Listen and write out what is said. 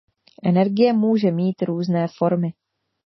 Energie může mít různé formy.